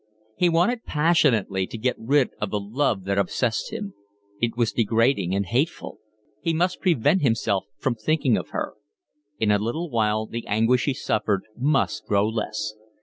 He wanted passionately to get rid of the love that obsessed him; it was degrading and hateful. He must prevent himself from thinking of her. In a little while the anguish he suffered must grow less.